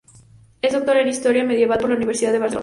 Es doctora en Historia Medieval por la Universidad de Barcelona.